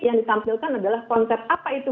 yang ditampilkan adalah konsep apa itu